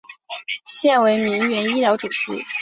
现为铭源医疗主席。